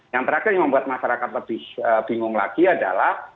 yang terakhir yang membuat masyarakat lebih bingung lagi adalah